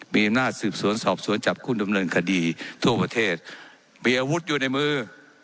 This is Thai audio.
มีอำนาจสืบสวนสอบสวนจับคู่ดำเนินคดีทั่วประเทศมีอาวุธอยู่ในมือ